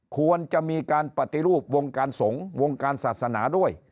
ควรจะมีการปฏิรูปวงการสงฆ์วงการศาสนาด้วย